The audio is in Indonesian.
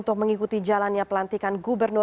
kementerian dalam negeri